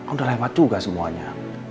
udah lewat juga semuanya